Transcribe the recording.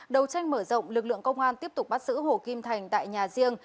đầu tranh mở rộng lực lượng công an tiếp tục bắt giữ hồ kim thành tại nhà riêng